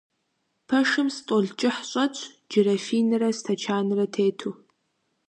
Пэшым стӀол кӀыхь щӀэтщ джырафинрэ стэчанрэ тету.